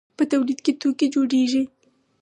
په تولید کې توکي جوړیږي.